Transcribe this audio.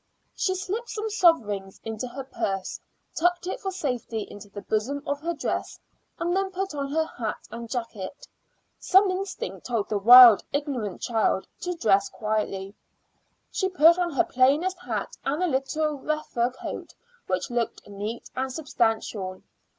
She slipped some sovereigns into her purse, tucked it for safety into the bosom of her dress, and then put on her hat and jacket. Some instinct told the wild, ignorant child to dress quietly. She put on her plainest hat and a little reefer coat which looked neat and substantial.